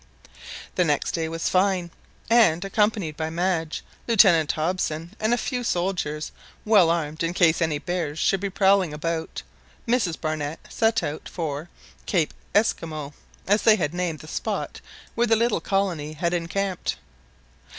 The next day was fine, and accompanied by Madge, Lieutenant Hobson, and a few soldiers, well armed in case any bears should be prowling about, Mrs Barnett set out for " Cape Esquimaux," as they had named the spot where the little colony had encamped.